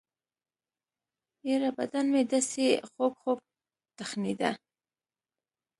يره بدن مې دسې خوږخوږ تخنېده.